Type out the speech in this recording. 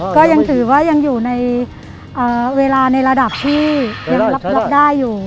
ก็ยังถือว่ายังอยู่ในเวลาในระดับที่ยังรับได้อยู่